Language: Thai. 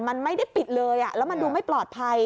มันไม่ได้ปิดเลยแล้วมันดูไม่ปลอดภัย